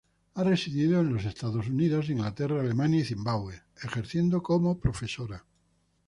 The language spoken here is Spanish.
Ha residido en los Estados Unidos, Inglaterra, Alemania y Zimbabwe, ejerciendo como profesora.